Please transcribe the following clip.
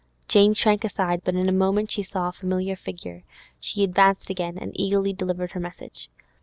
Jane shrank aside; but in a moment she saw a familiar figure; she advanced again, and eagerly delivered her message.